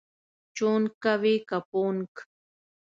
چونګ کوې که پونګ؟